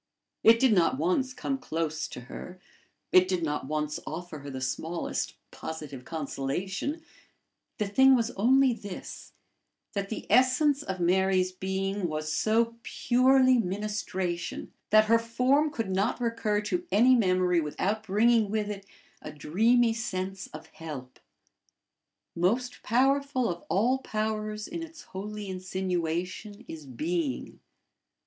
It did not once come close to her; it did not once offer her the smallest positive consolation; the thing was only this, that the essence of Mary's being was so purely ministration, that her form could not recur to any memory without bringing with it a dreamy sense of help. Most powerful of all powers in its holy insinuation is being.